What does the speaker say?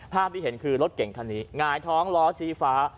ที่เห็นคือรถเก่งคันนี้หงายท้องล้อชี้ฟ้า